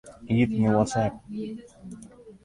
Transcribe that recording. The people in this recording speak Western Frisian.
Iepenje WhatsApp.